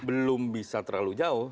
belum bisa terlalu jauh